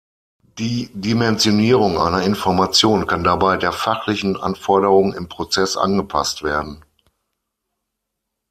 Die Dimensionierung einer Information kann dabei der fachlichen Anforderung im Prozess angepasst werden.